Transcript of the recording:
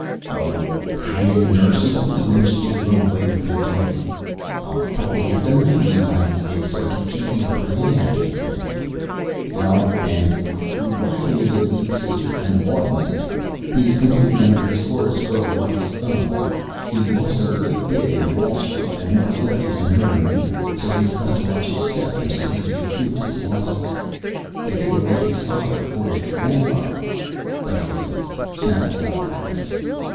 "Oh, hang it, nurse! You always manage to get your own way with me, don't you? I'll probably have to marry you one of these days, so I can keep the upper hand," he grinned. "Well, then, Wiley is a weak sister and oughtn't to be. He's completely under his chorus girl wife's thumb. He lost a good bit in Wall Street and what's left is in her name, so he's got to watch his step until he's recouped his losses. "If he were like his father or his grandfather ... but he isn't," snapped the doctor vexedly.